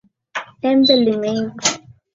Embe limeiva